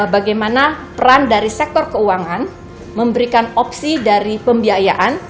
bagaimana peran dari sektor keuangan memberikan opsi dari pembiayaan